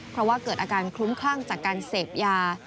เพราะว่าเกิดอาการคลุ้มคลั่งจากการเสพยา